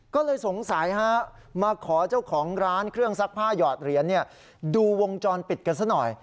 ก็เลยสงสัยมาขอเจ้าของร้านเครื่องซักผ้าหยอดเหรียญดูวงจรปิดกันซะหน่อย